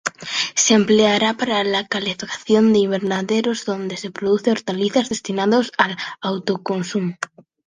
Se empleará para la calefacción de invernaderos donde se producen hortalizas destinadas al autoconsumo.